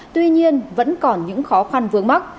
tuy nhiên vẫn còn những khó khăn vướng mắt